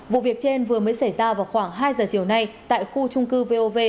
vụ việc trên vừa mới xảy ra vào khoảng hai giờ chiều nay tại khu trung cư vov